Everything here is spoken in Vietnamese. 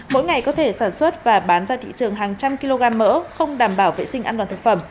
mỗi ngày có thể sản xuất và bán ra thị trường hàng trăm kg mỡ không đảm bảo vệ sinh an toàn thực phẩm